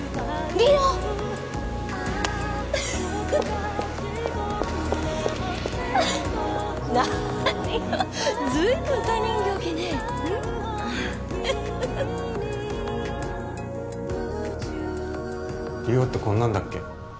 梨央ってこんなんだっけ？